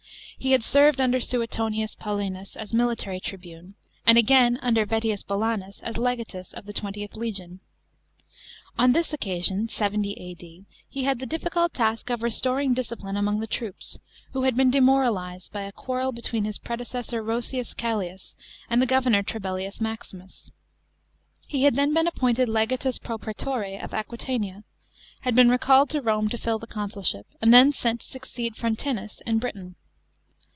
He had served under Suetonius Paulinos as military tribune, and, atrain, under Vettius Bolanus as legatus of the XXth legion. On this occasion (70 A.D.) he had the difficult task of restoring discipline among the troops, who had been demorali ed by a quarrel between his predecessor Roscius Caslius and the governor Trebellius Maximus. He had then been appointe 1 legatus pro prsetore of Aquitania, had been recalled to Rome to fill the consulship, and then sent to succeed Front inus in Britain.